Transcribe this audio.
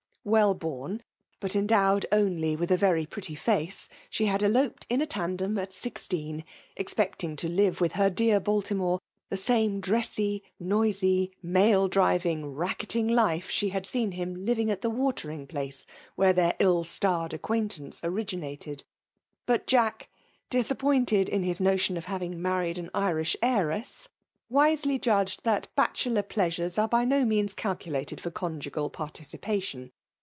^eYL \Kym, but endowed 0Q]y vitk a terj v<^ty face, she liad eloped in n tandcB, ai mxleeaDL ; expecting io live with her dear BiLtniMxe ^le same dressy, Boiij, matt driving, radtetiBg life, ahe had seen lomfinog at the watering place wltere their iU stamed aoqpfiantaxiGe oiiginated. But Jade, disaib. pointed in his notion of having married an Irish heiress, wisely judged thai bachelor plea* flHvea are by bo means calculated for conjoeal participation.